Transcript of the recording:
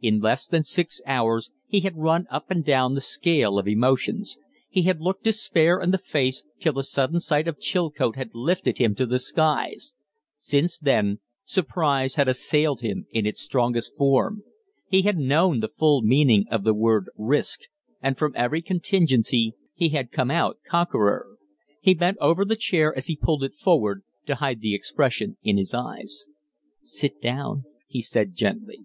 In less than six hours he had run up and down the scale of emotions. He had looked despair in the face, till the sudden sight of Chilcote had lifted him to the skies; since then, surprise had assailed him in its strongest form; he had known the full meaning of the word "risk"; and from every contingency he had come out conqueror. He bent over the chair as he pulled it forward, to hide the expression in his eyes. "Sit down," he said, gently.